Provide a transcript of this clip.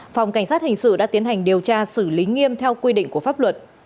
phòng cảnh sát hình sự đã tiến hành điều tra xử lý nghiêm theo quy định của pháp luật